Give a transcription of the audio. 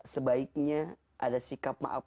sebaiknya ada sikap maaf